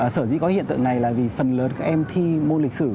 sở dĩ có hiện tượng này là vì phần lớn các em thi môn lịch sử